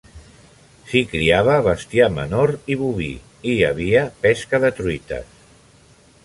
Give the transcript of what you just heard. S'hi criava bestiar menor i boví, i hi havia pesca de truites.